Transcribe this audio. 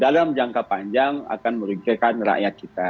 bapak presiden itu akan merugikan rakyat kita